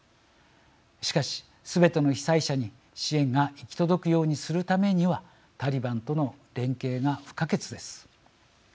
しかし、すべての被災者に支援が行き届くようにするためにはタリバンとの連携が不可欠です。